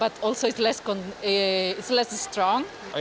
tapi juga lebih kurang kuat